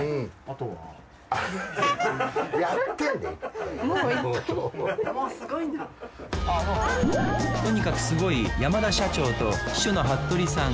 とにかくスゴい山田社長と秘書の服部さん。